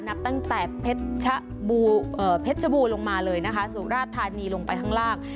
นับตั้งแต่เพชรบูลงมาเลยนะคะสุราชธานีลงไปข้างล่าง